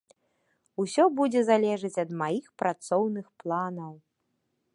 Усё будзе залежыць ад маіх працоўных планаў.